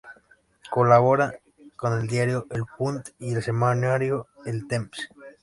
Colabora con el diario "El Punt" y el semanario "El Temps".